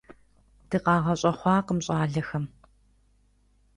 ДыкъагъэщӀэхъуакъым щӀалэхэм.